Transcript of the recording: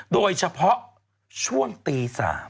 โดยเฉพาะช่วงตี๓